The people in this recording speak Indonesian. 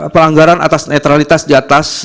pelanggaran atas netralitas diatas